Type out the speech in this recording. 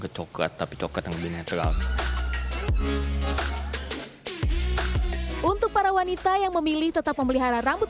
ke coklat tapi coklat yang lebih netral untuk para wanita yang memilih tetap memelihara rambut